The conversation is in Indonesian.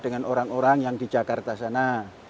dengan orang orang yang di jakarta sana